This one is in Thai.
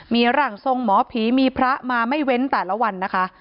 มีร่างทรงหมอผีมีพระมาไม่เว้นแต่ละวันนะคะ